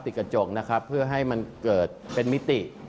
กระจกนะครับเพื่อให้มันเกิดเป็นมิติ